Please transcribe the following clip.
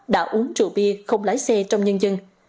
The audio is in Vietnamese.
đã uống rượu bia không lái xe trong nhân dân